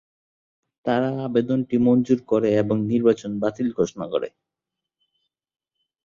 তারা আবেদনটি মঞ্জুর করে এবং নির্বাচন বাতিল ঘোষণা করে।